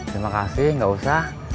terima kasih enggak usah